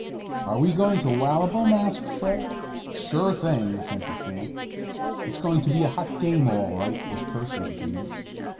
"Are we going to wallop 'em?" asked Fred. "Sure thing," assented Sam. "It's going to be a hot game all right," was Percy's opinion.